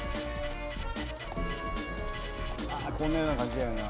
こんなような感じだよな。